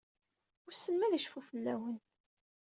Wissen ma ad icfu fell-awen?